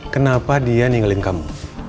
kenapa dia ninggalin kamu